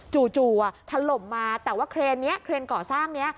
จู่ถล่มมาแต่ว่าเครนนี้เครนก่อสร้างนี้